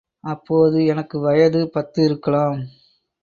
அப்போது எனக்கு வயது பத்து இருக்கலாம்.